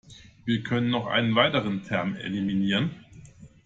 Wir können noch einen weiteren Term eliminieren.